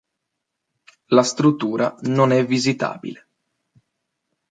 La struttura non è visitabile.